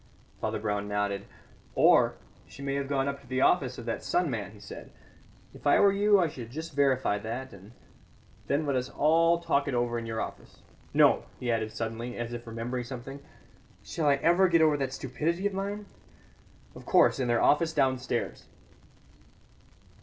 Father Brown nodded. "Or, she may have gone up to the office of that sun man," he said. "If I were you I should just verify that, and then let us all talk it over in your office. No," he added suddenly, as if remembering something, "shall I ever get over that stupidity of mine? Of course, in their office downstairs."